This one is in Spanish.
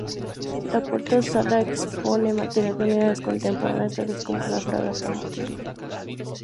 La cuarta sala expone material de unidades contemporáneas tales como la fragata Montevideo.